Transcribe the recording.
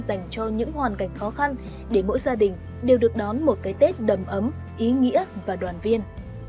dành cho những hoàn cảnh khó khăn để mỗi gia đình đều được đón một cái tết đầm ấm ý nghĩa và đoàn viên